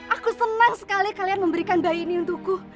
aku senang sekali kalian memberikan bayi ini untukku